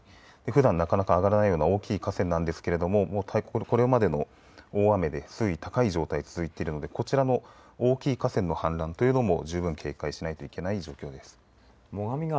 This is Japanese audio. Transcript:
ふだんなかなか上がらないような大きい河川なんですけれどもこれまでの大雨で水位が高い状態が続いているのでこちらの大きい河川の氾濫というのも十分警戒しなければいけない状況です。